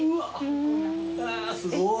あすごい。